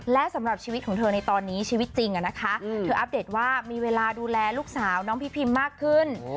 และสำหรับชีวิตของเธอในตอนนี้ชีวิตจริงนะคะเธออัปเดตว่ามีเวลาดูแลลูกสาวน้องพี่พิมมากขึ้น